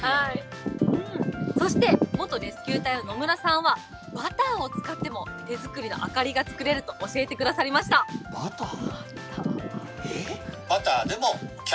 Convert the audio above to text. そして元レスキュー隊の野村さんは、バターを使っても手作りの明かりが作れると教えてくださバター？